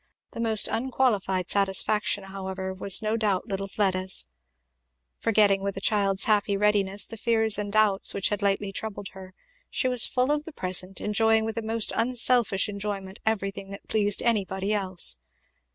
The most unqualified satisfaction however was no doubt little Fleda's. Forgetting with a child's happy readiness the fears and doubts which had lately troubled her, she was full of the present, enjoying with a most unselfish enjoyment everything that pleased anybody else.